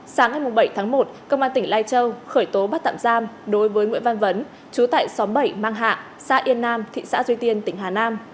sáng ngày bảy tháng một công an tỉnh lai châu khởi tố bắt tạm giam đối với nguyễn văn vấn chú tại xóm bảy mang hạ xã yên nam thị xã duy tiên tỉnh hà nam